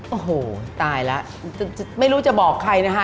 โอ้โหตายแล้วไม่รู้จะบอกใครนะฮะ